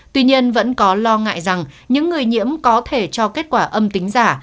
tuy nhiên vẫn có lo ngại rằng những người nhiễm có thể cho kết quả âm tính giả